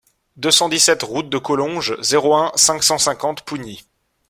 deux cent dix-sept route de Collonges, zéro un, cinq cent cinquante Pougny